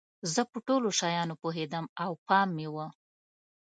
زه په ټولو شیانو پوهیدم او پام مې و.